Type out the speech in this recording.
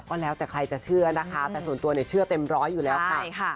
แล้วแต่ใครจะเชื่อนะคะแต่ส่วนตัวเนี่ยเชื่อเต็มร้อยอยู่แล้วค่ะ